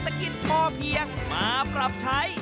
แต่กินพอเพียงมาปรับใช้